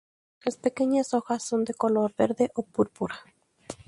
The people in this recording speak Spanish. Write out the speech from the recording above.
Las pequeñas hojas son de color verde o púrpura.